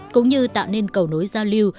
cũng như tạo nên cầu nối giao lưu